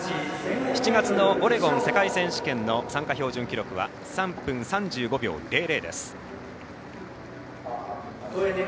７月のオレゴン世界選手権の参加標準記録は３分３５秒００です。